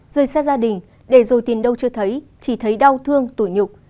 rời xa gia đình để rồi tiền đâu chưa thấy chỉ thấy đau thương tủi nhục